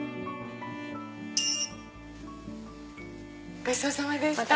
ごちそうさまでした。